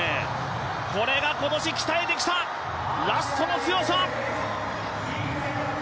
これが今年鍛えてきたラストの強さ！